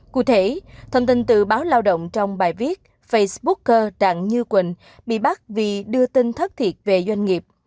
cụ thể thông tin từ báo lao động trong bài viết facebook đặng như quỳnh bị bắt vì đưa tin thất thiệt về doanh nghiệp